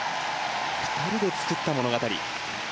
２人で作った物語。